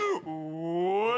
おい。